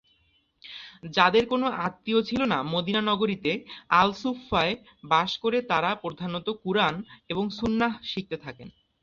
যাদের কোন আত্মীয় ছিল না মদিনা নগরীতে, আল-সুফফাায় বাস করে তারা প্রধানত কুরআন এবং সুন্নাহ শিখতে থাকেন।